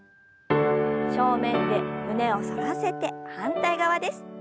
正面で胸を反らせて反対側です。